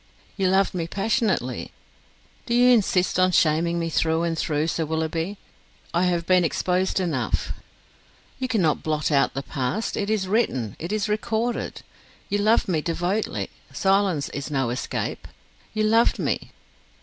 "You loved me passionately!" "Do you insist on shaming me through and through, Sir Willoughby? I have been exposed enough." "You cannot blot out the past: it is written, it is recorded. You loved me devotedly, silence is no escape. You loved me."